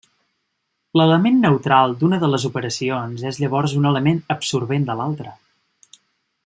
L'element neutral d'una de les operacions és llavors un element absorbent de l'altra.